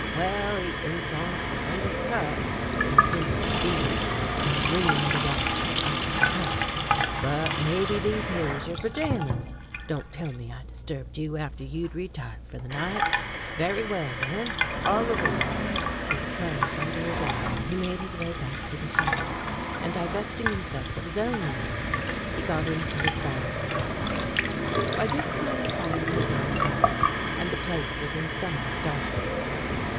"Well, he ain't on to the latest cut," continued Phelan, wringing the water out of the coat. "But maybe these here is your pajamas? Don't tell me I disturbed you after you'd retired for the night? Very well then, aurevoy." With the clothes under his arm he made his way back to the shed, and divesting himself of his own raiment he got into his borrowed property. By this time the fire had died down, and the place was in semi darkness.